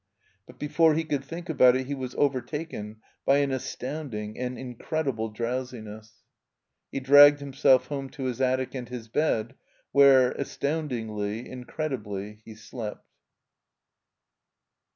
But before he cotdd think about it he was over taken by an astoimding, an incredible drowsiness. He dragged himself home to his attic and his bed, where, astoimdingly, incredibly, he slept.